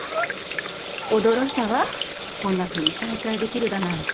驚いたわこんなふうに再会できるだなんて。